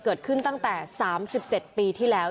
เกิดขึ้นตั้งแต่๓๗ปีที่แล้ว